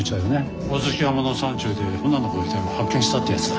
ホオズキ山の山中で女の子の遺体を発見したってやつだ。